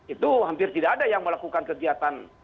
itu hampir tidak ada yang melakukan kegiatan